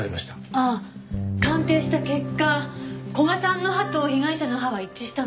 ああ鑑定した結果古賀さんの歯と被害者の歯は一致したの。